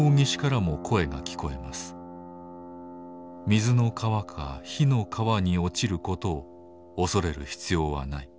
『水の河か火の河に落ちることを恐れる必要はない。